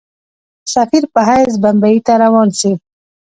سفیر په حیث بمبیی ته روان سي.